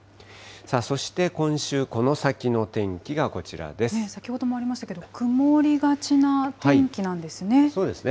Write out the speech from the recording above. そして今週、この先の天気がこち先ほどもありましたけど、曇そうですね。